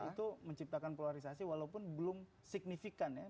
itu menciptakan polarisasi walaupun belum signifikan ya